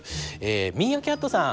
ミーアキャットさん。